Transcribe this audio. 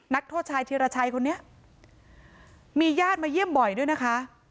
นักโทษชายธิรชัยคนนี้มีญาติมาเยี่ยมบ่อยด้วยนะคะ